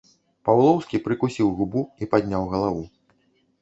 Паўлоўскі прыкусіў губу і падняў галаву.